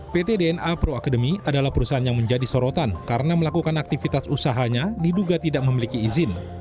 pt dna pro academy adalah perusahaan yang menjadi sorotan karena melakukan aktivitas usahanya diduga tidak memiliki izin